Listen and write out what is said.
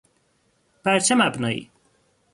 بر چه مبنایی؟